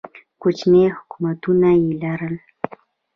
کوچني حکومتونه یې لرل.